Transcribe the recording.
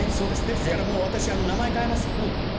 ですから私名前変えます。